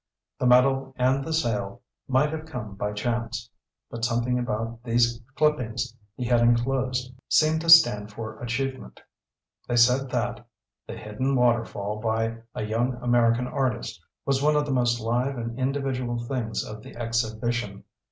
The medal and the sale might have come by chance, but something about these clippings he had enclosed seemed to stand for achievement. They said that "The Hidden Waterfall," by a young American artist, was one of the most live and individual things of the exhibition.